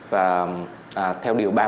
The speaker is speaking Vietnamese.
và theo lựa chọn